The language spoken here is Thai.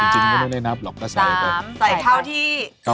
ขั้นตอนแรกครับเราก็